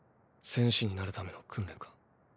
戦士になるための訓練か？